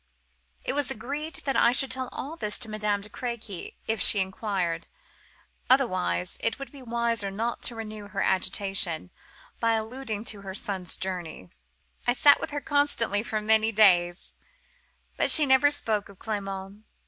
It was agreed that I should tell all this to Madame de Crequy, if she inquired; otherwise, it would be wiser not to renew her agitation by alluding to her son's journey. "I sat with her constantly for many days; but she never spoke of Clement.